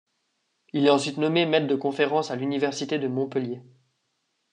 Il est ensuite nommé maitre de conférences à l'université de Montpellier.